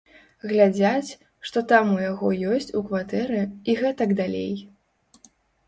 Глядзяць, што там у яго ёсць у кватэры, і гэтак далей.